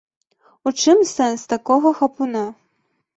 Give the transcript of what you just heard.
У чым сэнс такога хапуна?